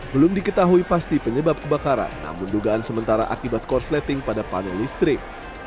belum diketahui pasti penyebab kebakaran namun dugaan sementara akibat korsleting pada panel listrik